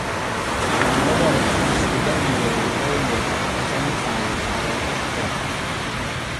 Manylodd ysgrifenwyr Rhufeinig a Bysantaidd ar eu hyllter.